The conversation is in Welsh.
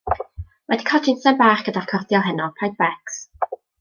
Wedi cael jinsen bach gyda'r cordial heno paid becs!